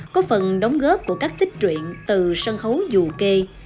có phần đóng góp của các tích truyện từ sân khấu du ke